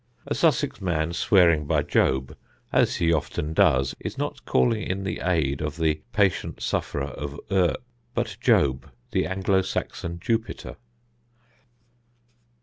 A Sussex man swearing by Job, as he often does, is not calling in the aid of the patient sufferer of Uz, but Jobe, the Anglo Saxon Jupiter.